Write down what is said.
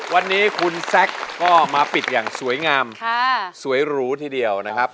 วันนี้คุณแซคก็มาปิดอย่างสวยงามสวยหรูทีเดียวนะครับ